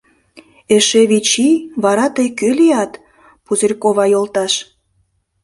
— Эше вич ий... вара тый кӧ лият, Пузырькова йолташ?